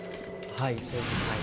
はいそうですはい。